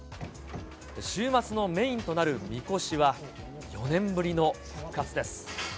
週末のメインとなるみこしは、４年ぶりの復活です。